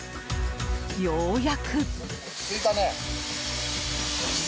ようやく。